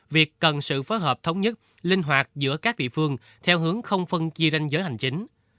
việc cần sự phối hợp thống nhất linh hoạt giữa các địa phương theo hướng không phân chia ranh giới hành chính